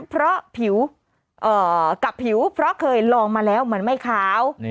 เพราะผิวกับผิวเพราะเคยลองมาแล้วมันไม่ขาว